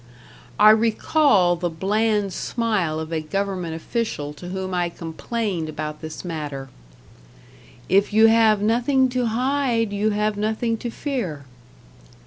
I recall the bland smile of a government official to whom I complained about this matter: "If you have nothing to hide you have nothing to fear."